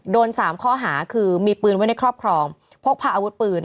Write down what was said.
โดน๓ข้อหาคือมีปืนไว้ในครอบครองพกพาอาวุธปืน